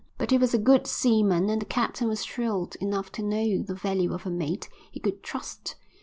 But he was a good seaman and the captain was shrewd enough to know the value of a mate he could trust.